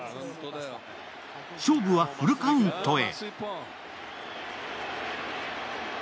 勝負はフルカウントへ。